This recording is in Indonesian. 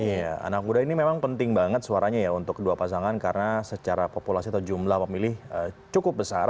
iya anak muda ini memang penting banget suaranya ya untuk kedua pasangan karena secara populasi atau jumlah pemilih cukup besar